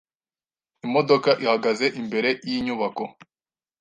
Imodoka ihagaze imbere yinyubako .